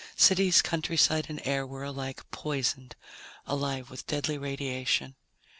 Cities, countryside, and air were alike poisoned, alive with deadly radiation.